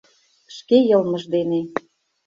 Шке йылмыж дене.